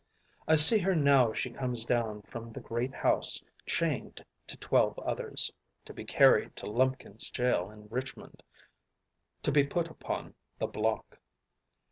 I see her now as she comes down from the "Great House," chained to twelve others, to be carried to Lumpkin's jail in Richmond to be put upon the "block."